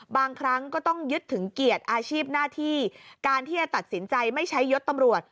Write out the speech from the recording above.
บางครั้งก็ต้องยึดถึงเกียรติอาชีพหน้าที่การที่จะตัดสินใจไม่ใช้ยศตำรวจ